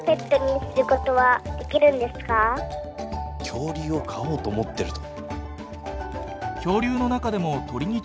☎恐竜を飼おうと思ってると。